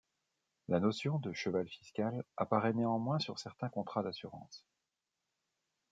La notion de cheval fiscal apparaît néanmoins sur certains contrats d'assurance.